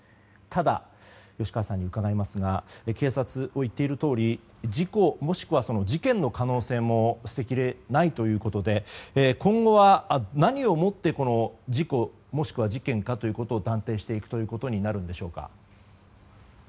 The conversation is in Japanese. ただ、吉川さんに伺いますが警察が言っているとおり事故もしくは事件の可能性も捨てきれないということで今後は何をもって事故もしくは事件かということを断定していくということになるんでしょうか。